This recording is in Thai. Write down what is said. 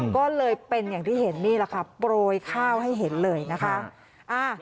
ก็เลยเป็นอย่างที่เห็นนี่แหละค่ะโปรยข้าวให้เห็นเลยนะคะ